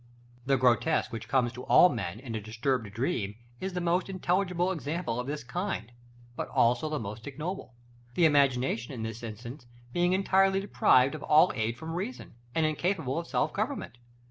The grotesque which comes to all men in a disturbed dream is the most intelligible example of this kind, but also the most ignoble; the imagination, in this instance, being entirely deprived of all aid from reason, and incapable of self government.